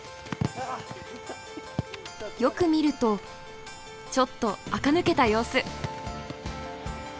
よく見るとちょっとあか抜けた様子。